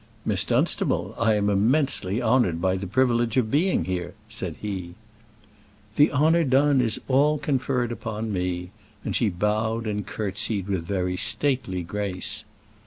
"Miss Dunstable, I am immensely honoured by the privilege of being here," said he. "The honour done is all conferred on me," and she bowed and curtseyed with very stately grace.